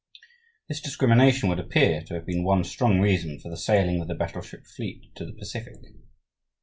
This discrimination would appear to have been one strong reason for the sailing of the battleship fleet to the Pacific.